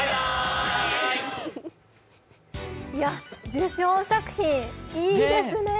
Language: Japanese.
受賞作品、いいですね。